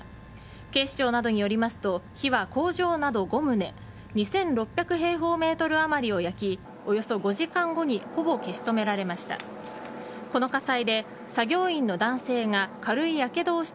警視庁などによりますと火は工場など５棟２６００平方メートル余りを焼きおよそ５時間後にほぼ消し止められました。